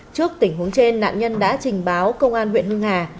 trước tình huống trên nạn nhân đã trình báo công an huyện hưng hà